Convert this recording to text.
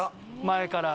前から。